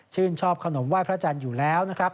ชอบขนมไหว้พระจันทร์อยู่แล้วนะครับ